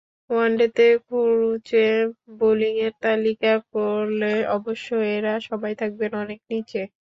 ওয়ানডেতে খরুচে বোলিংয়ের তালিকা করলে অবশ্য এঁরা সবাই থাকবেন অনেক নিচে।